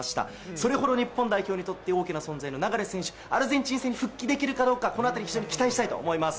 それほど日本代表にとって大きな存在の流選手、アルゼンチン戦に復帰できるかどうか、このあたり、非常に期待したいと思います。